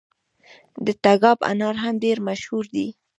د تګاب انار هم ډیر مشهور دي.